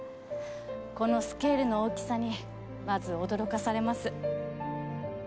このスケールの大きさにまず驚かされます。